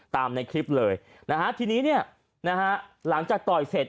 ในคลิปเลยนะฮะทีนี้เนี่ยนะฮะหลังจากต่อยเสร็จ